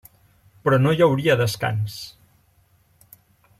Però no hi hauria descans.